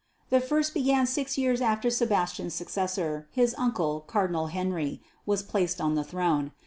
The first began six years after Sebastian's successor his uncle, Cardinal Henry was placed on the throne.